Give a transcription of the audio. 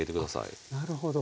あなるほど。